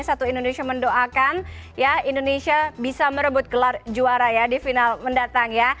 satu indonesia mendoakan indonesia bisa merebut gelar juara ya di final mendatang ya